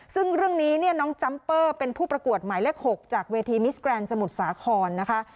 ซึ่งเรื่องนี้เนี่ยน้องจัมเปอร์เป็นผู้ประกวดหมายเลข๖จากเวทีมิสแกรนด์สมุทรสาครนะคะ